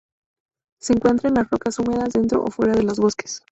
Se encuentra en las rocas húmedas, dentro o fuera de los bosques.